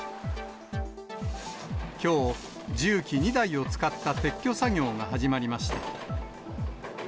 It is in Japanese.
きょう、重機２台を使った撤去作業が始まりました。